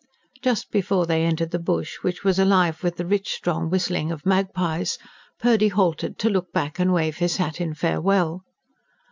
Just before they entered the bush, which was alive with the rich, strong whistling of magpies, Purdy halted to look back and wave his hat in farewell.